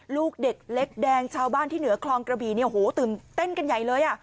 ลูกเด็กเล็กแดงชาวบ้านที่เหนือคลองกระบี่เนี่ยโอ้โหตื่นเต้นกันใหญ่เลย